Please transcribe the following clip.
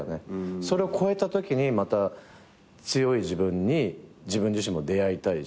それを越えたときにまた強い自分に自分自身も出会いたいし。